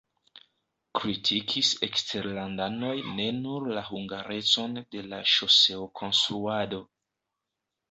Kritikis eksterlandanoj ne nur la hungarecon de la ŝoseo-konstruado.